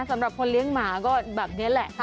สำหรับคนเลี้ยงหมาก็แบบนี้แหละ